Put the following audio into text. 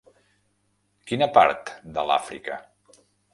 Quina part de l'Àfrica?